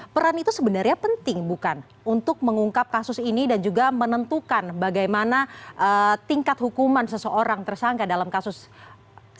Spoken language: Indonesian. peran itu sebenarnya penting bukan untuk mengungkap kasus ini dan juga menentukan bagaimana tingkat hukuman seseorang tersangka dalam kasus ini